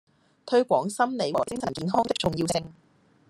推廣心理和精神健康的重要性